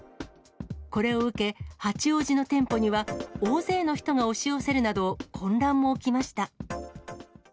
これを受け、八王子の店舗には大勢の人が押し寄せるなど、混乱も起きました。